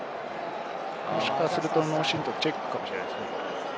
もしかすると脳しんとうチェックかもしれません。